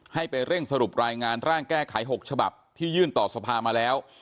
ให้ไปเร่งสรุปรายงานร่างแก้ไข๖ฉบับที่ยื่นต่อสภามาแล้ว